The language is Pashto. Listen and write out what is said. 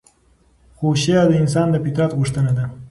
خو شعر د انسان د فطرت غوښتنه ده.